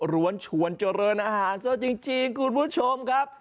วนชวนเจริญอาหารซะจริงคุณผู้ชมครับ